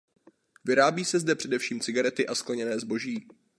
Vyrábí se zde především cigarety a skleněné zboží.